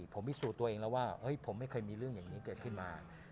ผมพิสูจน์ตัวเองแล้วว่าผมไม่เคยมีเรื่องอย่างนี้เกิดขึ้นมา